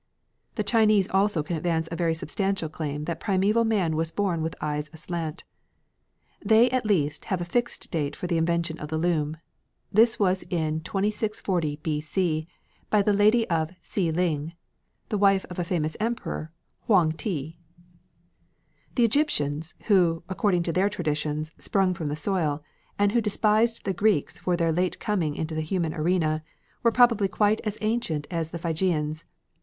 The Chinese also can advance very substantial claims that primeval man was born with eyes aslant. They at least have a fixed date for the invention of the loom. This was in 2640 B. C. by Lady of Si Ling, the wife of a famous emperor, Huang ti. The Egyptians who, according to their traditions, sprung from the soil, and who despised the Greeks for their late coming into the human arena, were probably quite as ancient as the Phrygians.